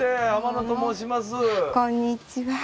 こんにちは。